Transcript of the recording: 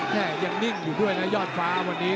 แยงนิ่งอยู่ด้วยเนาะยอดฟ้าเมื่อนี้